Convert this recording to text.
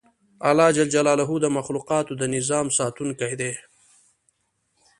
الله ج د مخلوقاتو د نظام ساتونکی دی